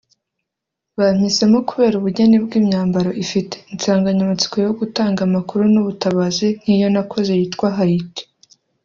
Bampisemo kubera ubugeni bw’imyambaro ifite insanganyamatsiko yo gutanga amakuru n’ubutabazi nk’iyo nakoze yitwa Haiti